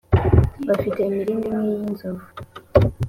bafite imirindi nki yi nzovu